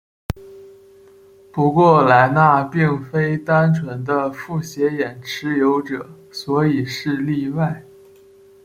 不过莱纳并非单纯的复写眼持有者所以是例外。